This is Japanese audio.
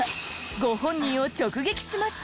ご本人を直撃しました。